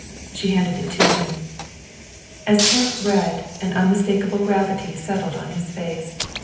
She handed it to him. As Kemp read, an unmistakable gravity settled on his face.